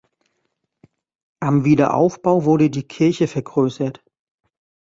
Am Wiederaufbau wurde die Kirche vergrößert.